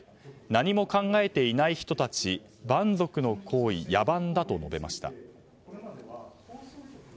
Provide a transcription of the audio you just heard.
何も考えていない人たち蛮族の行為、野蛮だと述べました。